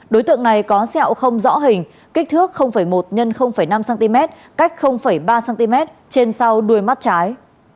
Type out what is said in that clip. đối tượng này có sẹo không rõ hình kích thước một x năm cm cách ba cm trên sau đuôi mắt trái